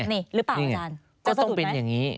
หรือเปล่าอาจารย์จะสะดุดไหมนี่ไงนี่ไงก็ต้องเป็นอย่างนี้